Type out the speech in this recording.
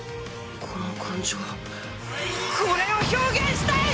この感情これを表現したい！